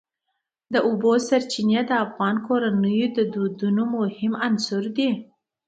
د اوبو سرچینې د افغان کورنیو د دودونو مهم عنصر دی.